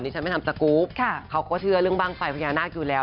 ฉันไม่ทำสกรูปเขาก็เชื่อเรื่องบ้างไฟพญานาคอยู่แล้ว